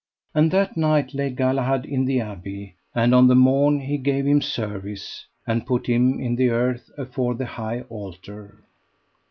And that night lay Galahad in the abbey; and on the morn he gave him service, and put him in the earth afore the high altar.